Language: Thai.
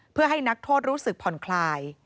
เพื่อให้นักโทษรู้สึกผ่อนคลาย